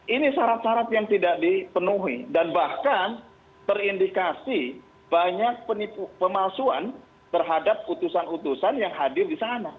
ini syarat syarat yang tidak dipenuhi dan bahkan terindikasi banyak pemalsuan terhadap utusan utusan yang hadir di sana